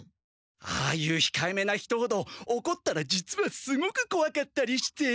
ああいうひかえめな人ほどおこったら実はすごく怖かったりして。